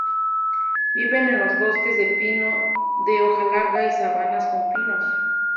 Viven en los bosques de pino de hoja larga y sabanas con pinos.